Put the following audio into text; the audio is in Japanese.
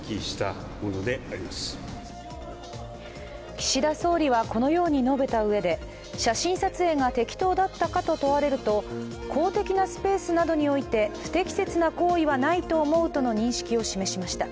岸田総理はこのように述べたうえで写真撮影が適当だったかと問われると公的なスペースなどにおいて不適切な行為はないと思うとの認識を示しました。